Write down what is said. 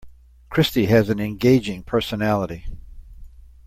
Christy has an engaging personality.